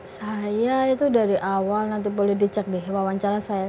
saya itu dari awal nanti boleh dicek nih wawancara saya